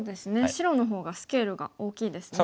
白の方がスケールが大きいですね。